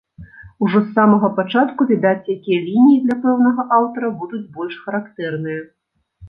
Ужо з самага пачатку відаць, якія лініі для пэўнага аўтара будуць больш характэрныя.